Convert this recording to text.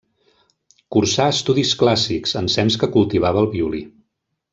Cursà estudis clàssics ensems que cultivava el violí.